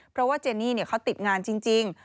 เพราะว่าเจนี่เขาติดงานจริง